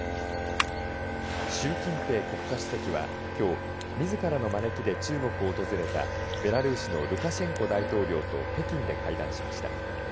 習近平国家主席は、きょうみずからの招きで中国を訪れたベラルーシのルカシェンコ大統領と北京で会談しました。